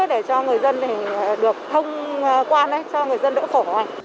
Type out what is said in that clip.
để cho người dân được thông quan cho người dân đỡ khổ